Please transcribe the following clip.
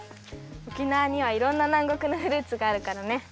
沖縄にはいろんななんごくのフルーツがあるからね！